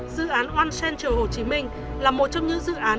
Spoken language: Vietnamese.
dự án oan center hồ chí minh là một trong những dự án